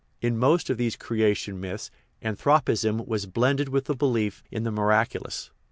In most of these creation myths anthropism was blended with the belief in the miraculous.